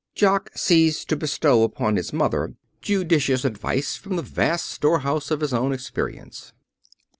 Jock ceased to bestow upon his mother judicious advice from the vast storehouse of his own experience.